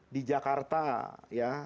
di jakarta ya